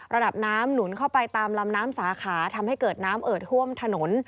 ระดับน้ำหนุนเข้าไปตามลำน้ำสาขาทำให้เกิดน้ำเอิดท่วมถนน